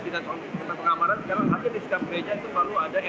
tidak ada pengamanan sekarang lagi di setiap gereja itu selalu ada nypd